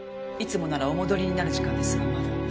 いつもならお戻りになる時間ですがまだ。